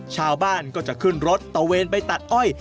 ชาวบ้านก็จะขึ้นรถตะเวนไปตัดอ้อย